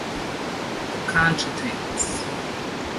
The country things.